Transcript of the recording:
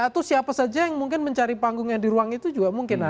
atau siapa saja yang mungkin mencari panggung yang di ruang itu juga mungkin